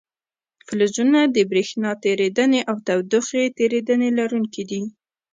فلزونه د برېښنا تیریدنې او تودوخې تیریدنې لرونکي دي.